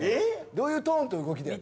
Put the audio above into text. どういうトーンと動きでやるの？